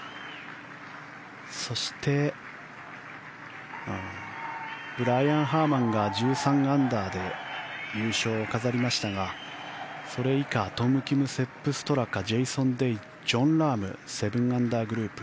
そして、ブライアン・ハーマンが１３アンダーで優勝を飾りましたがそれ以下、トム・キムセップ・ストラカジェイソン・デイジョン・ラーム７アンダーグループ。